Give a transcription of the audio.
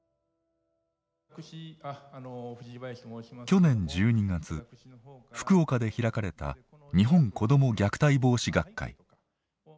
去年１２月福岡で開かれた日本子ども虐待防止学会。